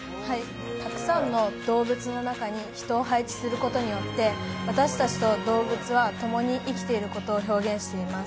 たくさんの動物の中に人を配置することによって、私たちと動物はともに生きていることを示しています。